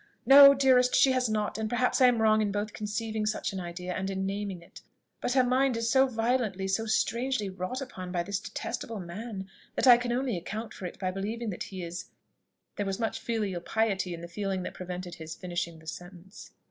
"No, dearest, she has not; and perhaps I am wrong both in conceiving such an idea, and in naming it. But her mind is so violently, so strangely wrought upon by this detestable man, that I can only account for it by believing that he is " There was much filial piety in the feeling that prevented his finishing the sentence.